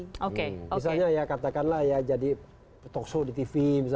misalnya katakanlah jadi petokso di tv